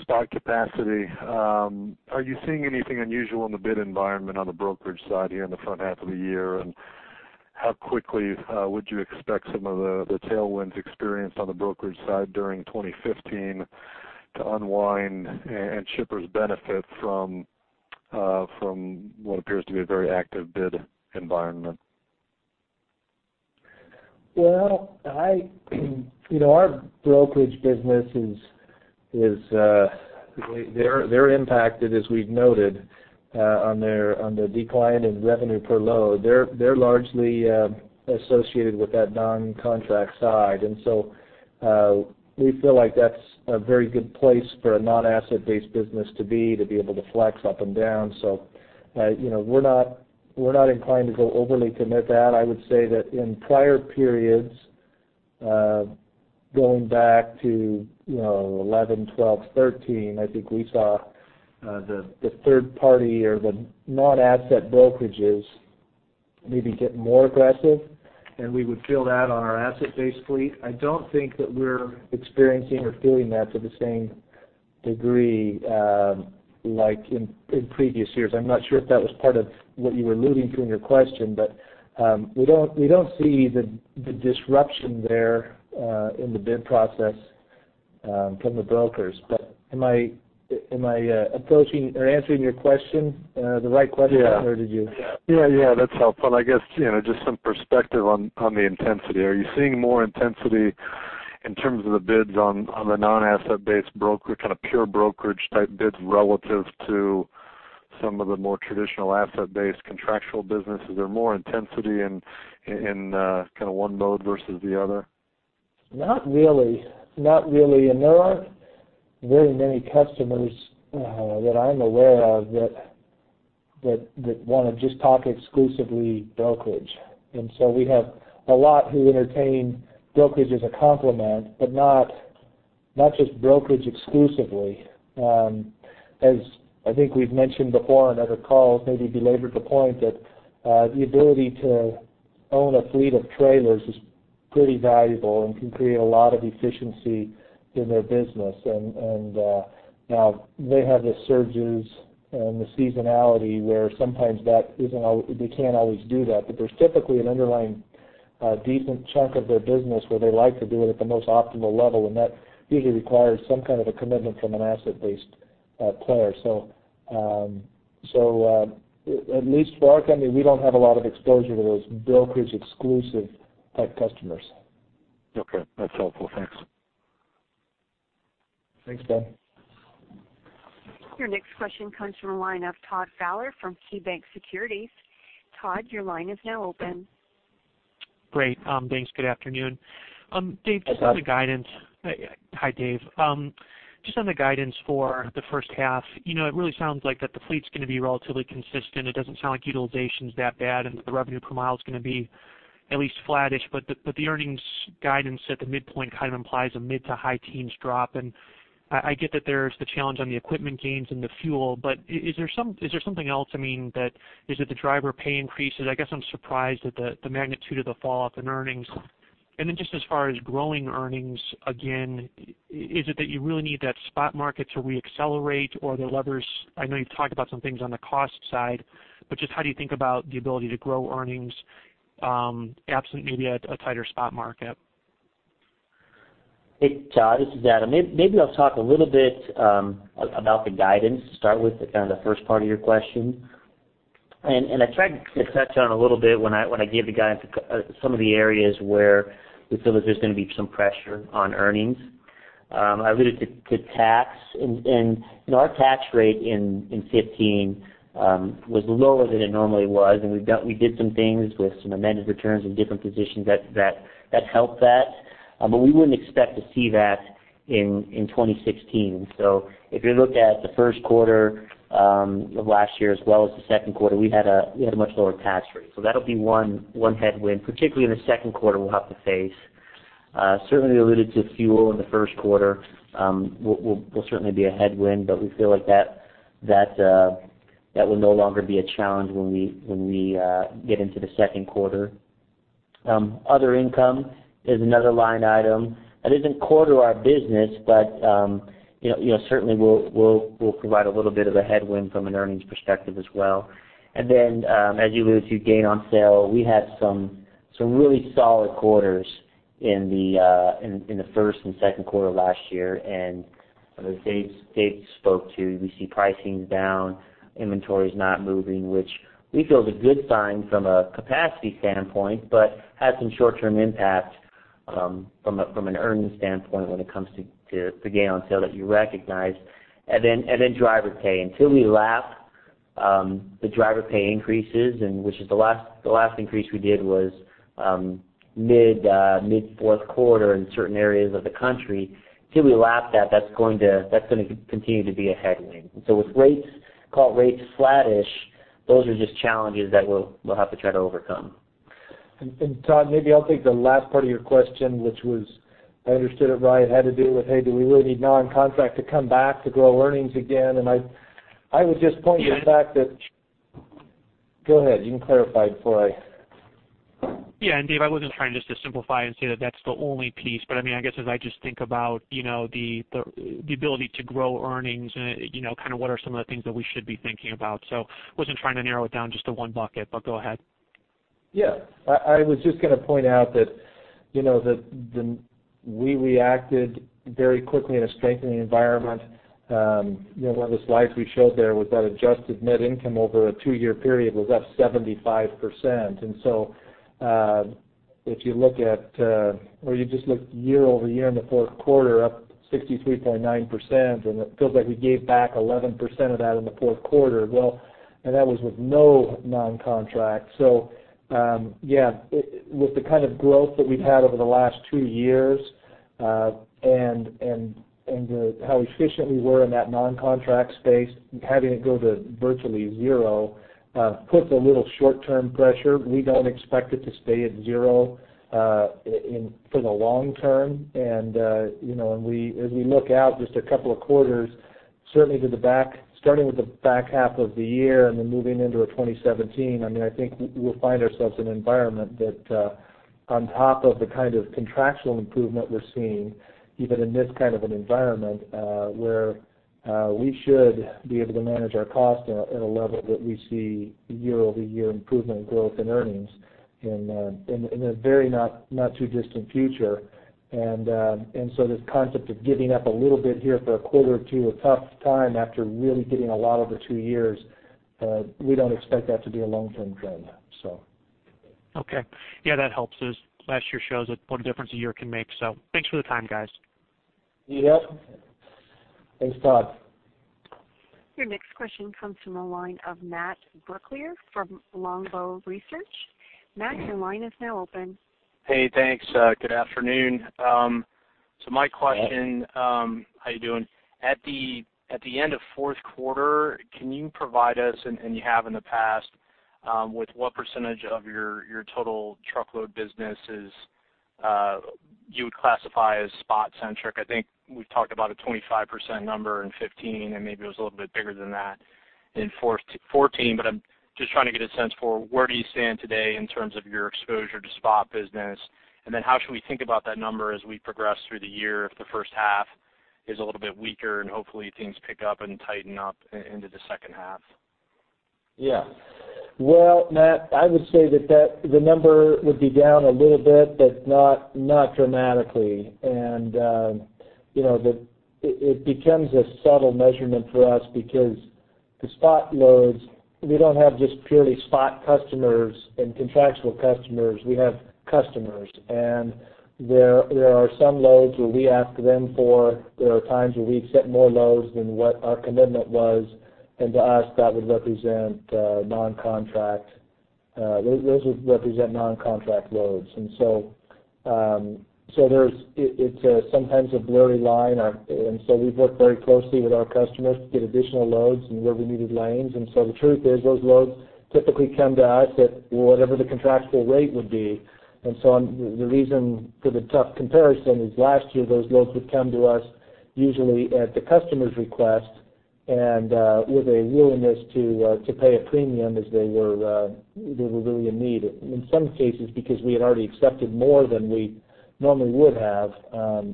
I: Spot capacity, are you seeing anything unusual in the bid environment on the brokerage side here in the front half of the year? And how quickly would you expect some of the, the tailwinds experienced on the brokerage side during 2015 to unwind and, and shippers benefit from, from what appears to be a very active bid environment?
C: Well, you know, our brokerage business is they're impacted, as we've noted, on the decline in revenue per load. They're largely associated with that non-contract side. And so, we feel like that's a very good place for a non-asset-based business to be, to be able to flex up and down. So, you know, we're not inclined to go overly commit that. I would say that in prior periods, going back to, you know, 2011, 2012, 2013, I think we saw the third party or the non-asset brokerages maybe get more aggressive, and we would feel that on our asset-based fleet. I don't think that we're experiencing or feeling that to the same degree, like in previous years. I'm not sure if that was part of what you were alluding to in your question, but, we don't see the disruption there, in the bid process, from the brokers. But am I approaching or answering your question, the right question?
I: Yeah.
C: Or did you...
I: Yeah, yeah, that's helpful. I guess, you know, just some perspective on, on the intensity. Are you seeing more intensity in terms of the bids on, on the non-asset-based broker, kind of pure brokerage type bids relative to some of the more traditional asset-based contractual businesses? Is there more intensity in, in, kind of one mode versus the other?
C: Not really. Not really. And there aren't very many customers that I'm aware of that want to just talk exclusively brokerage. And so we have a lot who entertain brokerage as a complement, but not just brokerage exclusively. As I think we've mentioned before on other calls, maybe belabored the point, the ability to own a fleet of trailers is pretty valuable and can create a lot of efficiency in their business. And now they have the surges and the seasonality, where sometimes they can't always do that. But there's typically an underlying decent chunk of their business where they like to do it at the most optimal level, and that usually requires some kind of a commitment from an asset-based player. So, at least for our company, we don't have a lot of exposure to those brokerage-exclusive type customers.
I: Okay, that's helpful. Thanks.
C: Thanks, Ben.
A: Your next question comes from the line of Todd Fowler from KeyBanc Capital Markets. Todd, your line is now open.
J: Great, thanks. Good afternoon. Dave...
C: Hi, Todd.
J: Just on the guidance... Hi, Dave. Just on the guidance for the first half, you know, it really sounds like that the fleet's going to be relatively consistent. It doesn't sound like utilization's that bad, and the revenue per mile is going to be at least flattish. But the earnings guidance at the midpoint kind of implies a mid- to high-teens drop. And I get that there's the challenge on the equipment gains and the fuel, but is there something else, I mean, that... Is it the driver pay increases? I guess I'm surprised at the magnitude of the falloff in earnings. And then just as far as growing earnings, again, is it that you really need that spot market to reaccelerate or the levers, I know you've talked about some things on the cost side, but just how do you think about the ability to grow earnings, absent maybe a tighter spot market?
B: Hey, Todd, this is Adam. Maybe I'll talk a little bit about the guidance to start with, kind of the first part of your question. And I tried to touch on a little bit when I gave the guidance, some of the areas where we feel that there's going to be some pressure on earnings. I alluded to tax, and our tax rate in 2015 was lower than it normally was, and we did some things with some amended returns and different positions that helped that. But we wouldn't expect to see that in 2016. So if you looked at the first quarter of last year as well as the second quarter, we had a much lower tax rate. So that'll be one headwind, particularly in the second quarter, we'll have to face. Certainly alluded to fuel in the first quarter will certainly be a headwind, but we feel like that will no longer be a challenge when we get into the second quarter. Other income is another line item that isn't core to our business, but you know certainly will provide a little bit of a headwind from an earnings perspective as well. And then, as you alluded to, gain on sale, we had some really solid quarters in the first and second quarter of last year. As Dave spoke to, we see pricing down, inventory is not moving, which we feel is a good sign from a capacity standpoint, but has some short-term impact from an earnings standpoint when it comes to the gain on sale that you recognize. And then driver pay. Until we lap the driver pay increases, and which is the last increase we did was mid-fourth quarter in certain areas of the country, until we lap that, that's going to continue to be a headwind. So with rates, call it rates flattish, those are just challenges that we'll have to try to overcome.
C: And Todd, maybe I'll take the last part of your question, which was, if I understood it right, had to do with, hey, do we really need non-contract to come back to grow earnings again? And I would just point to the fact that—go ahead, you can clarify before I...
J: Yeah, and Dave, I wasn't trying just to simplify and say that that's the only piece. But I mean, I guess as I just think about, you know, the ability to grow earnings, you know, kind of what are some of the things that we should be thinking about? So I wasn't trying to narrow it down just to one bucket, but go ahead.
C: Yeah, I was just going to point out that, you know, we reacted very quickly in a strengthening environment. You know, one of the slides we showed there was that adjusted net income over a two-year period was up 75%. And so, if you look at, or you just look year-over-year in the fourth quarter, up 63.9%, and it feels like we gave back 11% of that in the fourth quarter. Well, and that was with no non-contract. So, yeah, with the kind of growth that we've had over the last two years and how efficient we were in that non-contract space, having it go to virtually zero, puts a little short-term pressure. We don't expect it to stay at zero, in for the long term. And, you know, and as we look out just a couple of quarters, certainly to the back, starting with the back half of the year and then moving into 2017, I mean, I think we, we'll find ourselves in an environment that, on top of the kind of contractual improvement we're seeing, even in this kind of an environment, where, we should be able to manage our cost at, at a level that we see year-over-year improvement in growth and earnings in, in a, in a very not, not too distant future. And, and so this concept of giving up a little bit here for a quarter or two, a tough time after really getting a lot over two years, we don't expect that to be a long-term trend, so.
J: Okay. Yeah, that helps, as last year shows that what a difference a year can make. So thanks for the time, guys.
C: Yep. Thanks, Todd.
A: Your next question comes from the line of Matt Brooklier from Longbow Research. Matt, your line is now open.
K: Hey, thanks. Good afternoon. So my question...
C: Hey.
K: How you doing? At the end of fourth quarter, can you provide us, and you have in the past, with what percentage of your total truckload business is you would classify as spot-centric? I think we've talked about a 25% number in 2015, and maybe it was a little bit bigger than that in fourth quarter 2014. But I'm just trying to get a sense for where do you stand today in terms of your exposure to spot business? And then how should we think about that number as we progress through the year, if the first half is a little bit weaker, and hopefully, things pick up and tighten up into the second half?
C: Yeah. Well, Matt, I would say that that, the number would be down a little bit, but not, not dramatically. And, you know, the, it, it becomes a subtle measurement for us because the spot loads, we don't have just purely spot customers and contractual customers, we have customers. And there, there are some loads where we ask them for, there are times where we've set more loads than what our commitment was, and to us, that would represent, non-contract. Those would represent non-contract loads. And so, so there's, it, it's a sometimes a blurry line. And so we've worked very closely with our customers to get additional loads and where we needed lanes. And so the truth is, those loads typically come to us at whatever the contractual rate would be. And so, the reason for the tough comparison is last year, those loads would come to us, usually at the customer's request, and with a willingness to pay a premium as they were, they were really in need. In some cases, because we had already accepted more than we normally would have,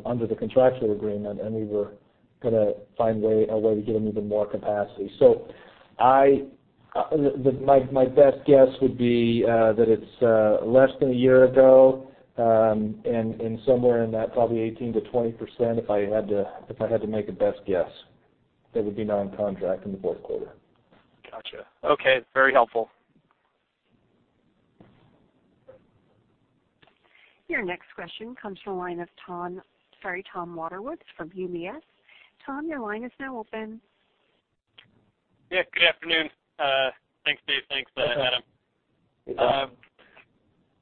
C: under the contractual agreement, and we were going to find a way, a way to give them even more capacity. So my best guess would be that it's less than a year ago, and somewhere in that probably 18%-20%, if I had to make a best guess, that would be non-contract in the fourth quarter.
K: Gotcha. Okay, very helpful.
A: Your next question comes from the line of Tom, sorry, Tom Wadewitz from UBS. Tom, your line is now open.
L: Yeah, good afternoon. Thanks, Dave. Thanks, Adam.
C: Hey, Tom.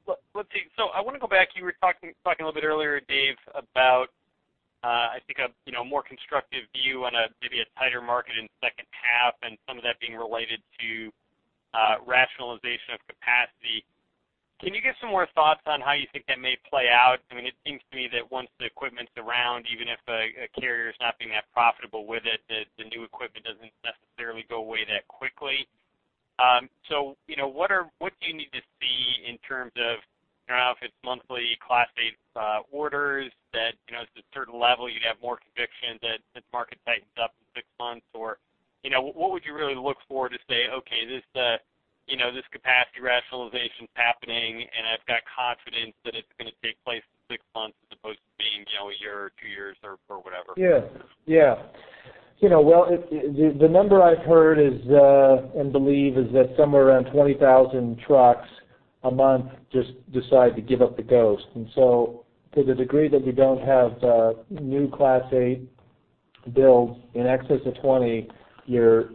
L: Well, let's see. So I want to go back. You were talking a little bit earlier, Dave, about, I think a, you know, more constructive view on a, maybe a tighter market in the second half and some of that being related to, rationalization of capacity. Can you give some more thoughts on how you think that may play out? I mean, it seems to me that once the equipment's around, even if a carrier is not being that profitable with it, the new equipment doesn't necessarily go away that quickly. So you know, what do you need to see in terms of, you know, if it's monthly Class 8, orders, that, you know, at a certain level, you'd have more conviction that this market tightens up in six months? Or, you know, what would you really look for to say, "Okay, this, you know, this capacity rationalization is happening, and I've got confidence that it's going to take place in six months, as opposed to being, you know, a year or two years or, or whatever?
C: Yeah, yeah. You know, well, the number I've heard and believe is that somewhere around 20,000 trucks a month just decide to give up the ghost. And so to the degree that we don't have new Class 8 builds in excess of 20, you're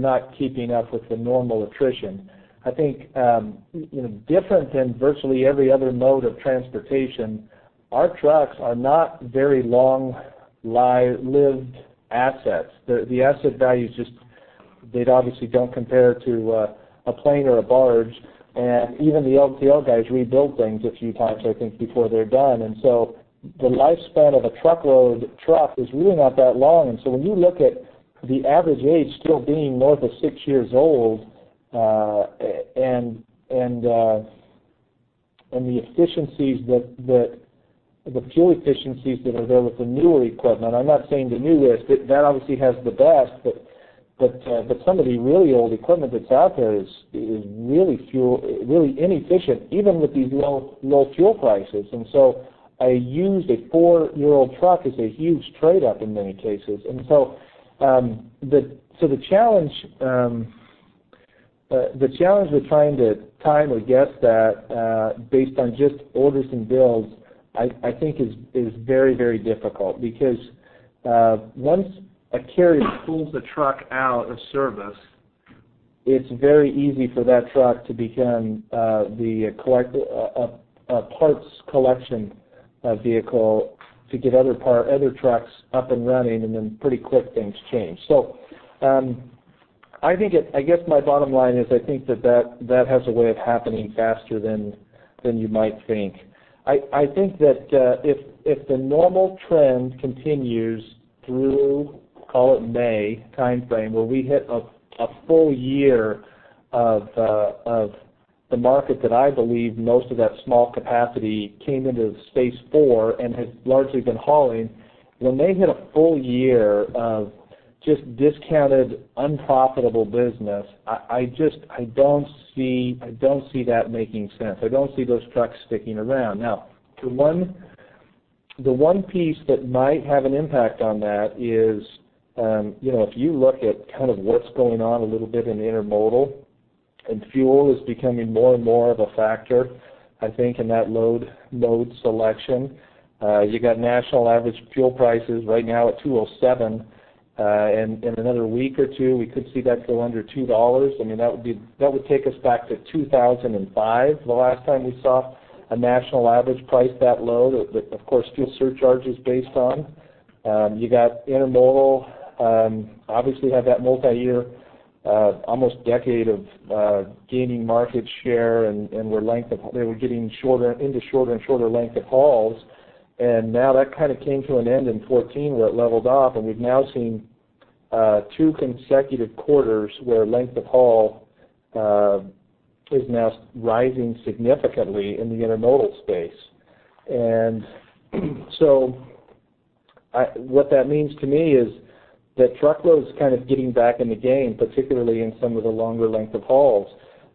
C: not keeping up with the normal attrition. I think, you know, different than virtually every other mode of transportation, our trucks are not very long-lived assets. The asset values just, they obviously don't compare to a plane or a barge, and even the LTL guys rebuild things a few times, I think, before they're done. And so the lifespan of a truckload truck is really not that long. And so when you look at the average age still being north of six years old, and the fuel efficiencies that are there with the newer equipment, I'm not saying the newest, but that obviously has the best, but some of the really old equipment that's out there is really inefficient, even with these low fuel prices. And so I used a four-year-old truck is a huge trade-up in many cases. And so, the challenge with trying to time or guess that, based on just orders and builds, I think is very, very difficult because, once a carrier pulls the truck out of service... It's very easy for that truck to become the collection, a parts collection vehicle to get other trucks up and running, and then pretty quick things change. So, I think I guess my bottom line is, I think that that has a way of happening faster than you might think. I think that if the normal trend continues through, call it May timeframe, where we hit a full year of the market, that I believe most of that small capacity came into the space for and has largely been hauling. When they hit a full year of just discounted, unprofitable business, I just don't see that making sense. I don't see those trucks sticking around. Now, the one, the one piece that might have an impact on that is, you know, if you look at kind of what's going on a little bit in intermodal, and fuel is becoming more and more of a factor, I think, in that load, load selection. You got national average fuel prices right now at $2.07, and in another week or two, we could see that go under $2. I mean, that would be- that would take us back to 2005, the last time we saw a national average price that low, that, of course, fuel surcharge is based on. You got intermodal, obviously, have that multiyear, almost decade of, gaining market share, and, and where length of... They were getting shorter, into shorter and shorter length of hauls. And now that kind of came to an end in 2014, where it leveled off, and we've now seen two consecutive quarters where length of haul is now rising significantly in the intermodal space. And so what that means to me is that truckload is kind of getting back in the game, particularly in some of the longer length of hauls.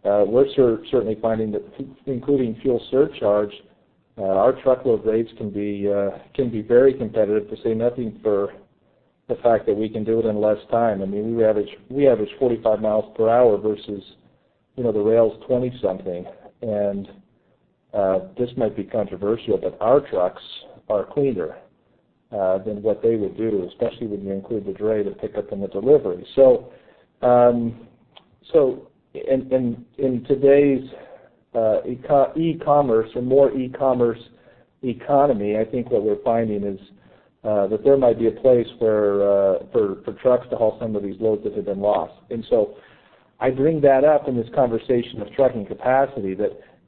C: We're certainly finding that including fuel surcharge, our truckload rates can be very competitive, to say nothing of the fact that we can do it in less time. I mean, we average 45 mi per hour versus, you know, the rail's 20-something. And this might be controversial, but our trucks are cleaner than what they would do, especially when you include the dray, the pickup and the delivery. So, so in today's e-commerce and more e-commerce economy, I think what we're finding is that there might be a place where for trucks to haul some of these loads that have been lost. And so I bring that up in this conversation of trucking capacity,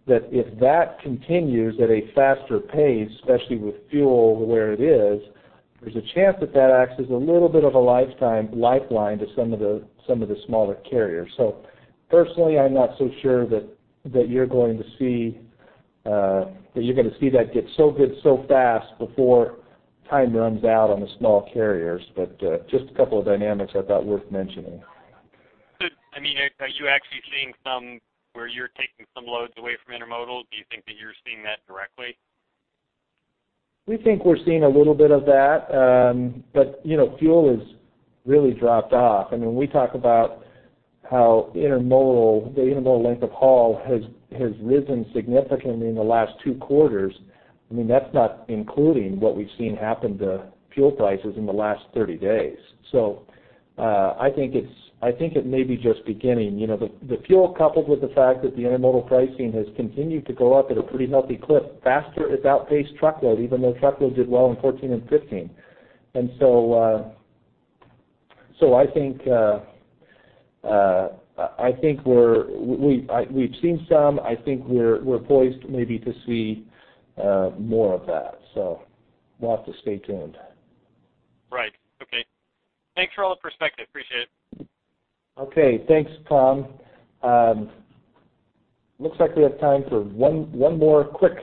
C: that if that continues at a faster pace, especially with fuel where it is, there's a chance that that acts as a little bit of a lifeline to some of the, some of the smaller carriers. So personally, I'm not so sure that you're going to see that get so good so fast before time runs out on the small carriers. But just a couple of dynamics I thought worth mentioning.
L: I mean, are you actually seeing some, where you're taking some loads away from intermodal? Do you think that you're seeing that directly?
C: We think we're seeing a little bit of that. But, you know, fuel has really dropped off. I mean, we talk about how intermodal, the intermodal length of haul has risen significantly in the last two quarters. I mean, that's not including what we've seen happen to fuel prices in the last 30 days. So, I think it's I think it may be just beginning. You know, the fuel, coupled with the fact that the intermodal pricing has continued to go up at a pretty healthy clip, faster it's outpaced truckload, even though truckload did well in 2014 and 2015. And so, so I think, I think we're we, we've seen some. I think we're poised maybe to see more of that, so we'll have to stay tuned.
L: Right. Okay. Thanks for all the perspective. Appreciate it.
C: Okay, thanks, Tom. Looks like we have time for one more quick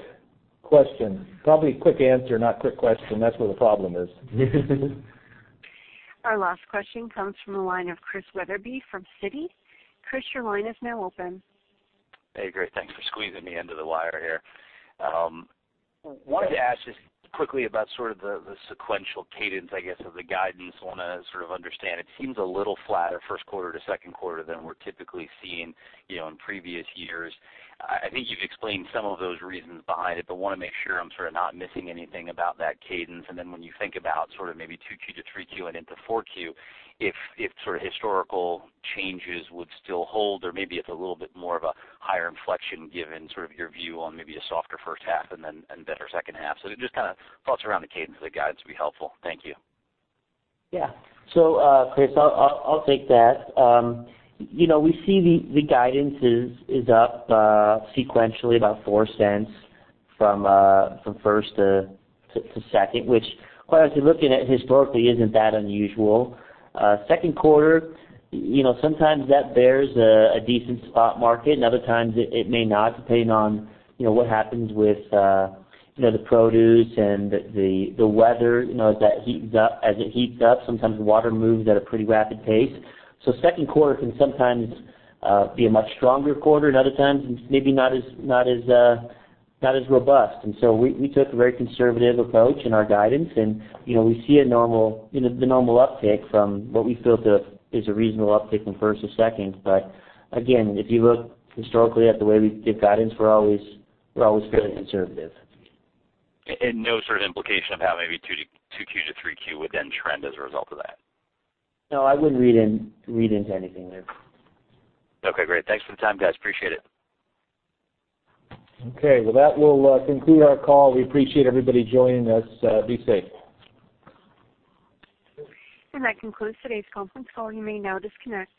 C: question. Probably a quick answer, not a quick question. That's where the problem is.
A: Our last question comes from the line of Chris Wetherbee from Citi. Chris, your line is now open.
M: Hey, great. Thanks for squeezing me into the wire here. Wanted to ask just quickly about sort of the sequential cadence, I guess, of the guidance. Want to sort of understand. It seems a little flatter first quarter to second quarter than we're typically seeing, you know, in previous years. I think you've explained some of those reasons behind it, but want to make sure I'm sort of not missing anything about that cadence. And then when you think about sort of maybe 2Q to 3Q and into 4Q, if sort of historical changes would still hold, or maybe it's a little bit more of a higher inflection, given sort of your view on maybe a softer first half and then better second half. So just kind of thoughts around the cadence of the guidance would be helpful. Thank you.
B: Yeah. So, Chris, I'll take that. You know, we see the guidance is up sequentially about $0.04 from first to second, which, quite honestly, looking at historically, isn't that unusual. Second quarter, you know, sometimes that bears a decent spot market, and other times it may not, depending on, you know, what happens with, you know, the produce and the weather. You know, as that heats up, sometimes water moves at a pretty rapid pace. So second quarter can sometimes be a much stronger quarter, and other times, maybe not as robust. And so we took a very conservative approach in our guidance, and, you know, we see a normal, you know, the normal uptick from what we feel to is a reasonable uptick from first to second. But again, if you look historically at the way we give guidance, we're always fairly conservative.
M: No sort of implication of how maybe 2Q to 3Q would then trend as a result of that?
B: No, I wouldn't read into anything there.
M: Okay, great. Thanks for the time, guys. Appreciate it.
C: Okay. Well, that will conclude our call. We appreciate everybody joining us. Be safe.
A: That concludes today's conference call. You may now disconnect.